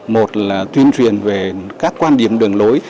một là tuyên truyền về các quan điểm đường lối